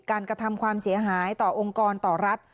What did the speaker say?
กระทำความเสียหายต่อองค์กรต่อรัฐ